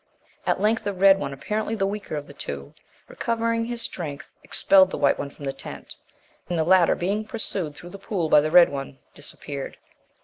At length the red one, apparently the weaker of the two, recovering his strength, expelled the white one from the tent; and the latter being pursued through the pool by the red one, disappeared.